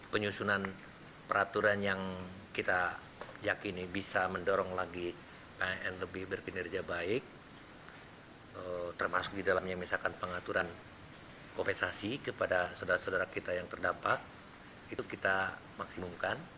penyusunan peraturan yang kita yakini bisa mendorong lagi pn lebih berkinerja baik termasuk di dalamnya misalkan pengaturan kompensasi kepada saudara saudara kita yang terdampak itu kita maksimumkan